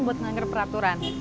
buat ngangger peraturan